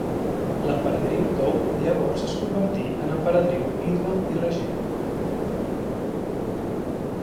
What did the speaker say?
L'Emperadriu Dou llavors es convertí en emperadriu vídua i regent.